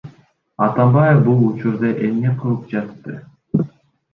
Атамбаев бул учурда эмне кылып жатты?